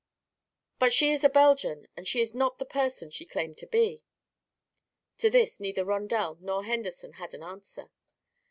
"But she is a Belgian. And she is not the person she claimed to be." To this neither Rondel nor Henderson had an answer.